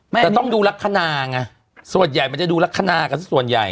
แต่ต้องดูลักษณะไงส่วนใหญ่มันจะดูลักษณะกันสักส่วนใหญ่